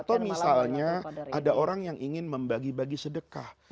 atau misalnya ada orang yang ingin membagi bagi sedekah